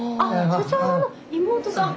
社長の妹さん。